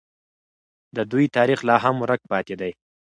د دوی تاریخ لا هم ورک پاتې دی.